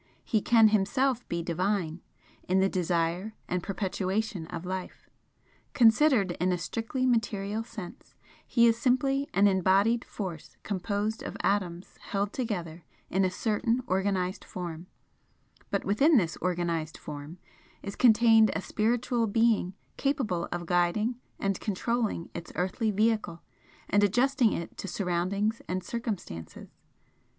He can himself be Divine, in the Desire and Perpetuation of Life. Considered in a strictly material sense, he is simply an embodied force composed of atoms held together in a certain organised form, but within this organised form is contained a spiritual Being capable of guiding and controlling its earthly vehicle and adjusting it to surroundings and circumstances.